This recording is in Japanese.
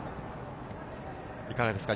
いかがですか？